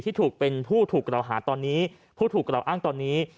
ถูกเป็นผู้ถูกกล่าวหาตอนนี้ผู้ถูกกล่าวอ้างตอนนี้